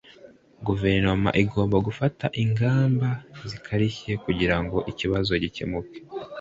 guverinoma igomba gufata ingamba zikarishye kugira ngo ikibazo gikemuke